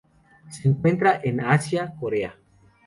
Se encuentran en Asia: Corea.